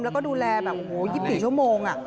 แล้วก็ดูแลแบบ๒๔ชั่วโมง